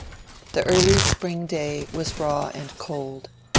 The early spring day was raw and cold.